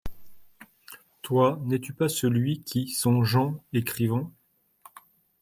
Toi, n'es-tu pas celui qui, songeant, écrivant